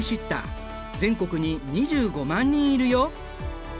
全国に２５万人いるよ。